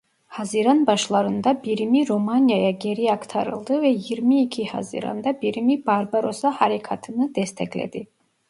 Haziran başlarında birimi Romanya'ya geri aktarıldı ve yirmi iki Haziran'da birimi Barbarossa Harekâtı'nı destekledi.